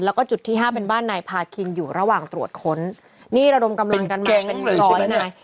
แล้วก็จุดที่ห้าเป็นบ้านนายพาคินอยู่ระหว่างตรวจค้นนี่ระดมกำลังกันมาเป็นร้อยนาย